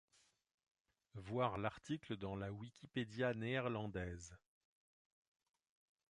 Voir l'article dans la Wikipédia néerlandaise.